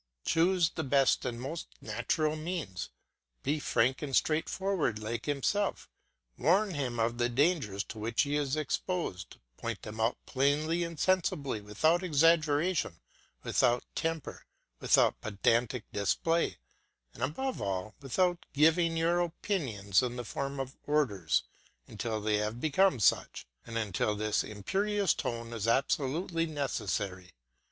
Choose the best and most natural means; be frank and straightforward like himself; warn him of the dangers to which he is exposed, point them out plainly and sensibly, without exaggeration, without temper, without pedantic display, and above all without giving your opinions in the form of orders, until they have become such, and until this imperious tone is absolutely necessary.